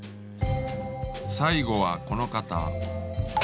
最後はこの方。